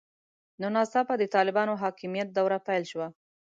خو ناڅاپه د طالبانو حاکمیت دوره پیل شوه.